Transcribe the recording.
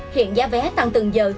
hiện giá vé tăng từng giờ